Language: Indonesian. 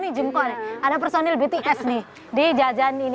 ini jungko ada personil bts nih di jajan ini